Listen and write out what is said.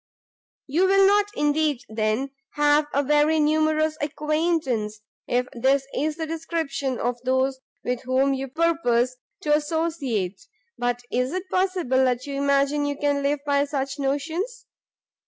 "You will not, indeed, then, have a very numerous acquaintance, if this is the description of those with whom you purpose to associate! but is it possible you imagine you can live by such notions?